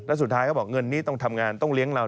แล้วสุดท้ายเขาบอกเงินนี้ต้องทำงานต้องเลี้ยงเรา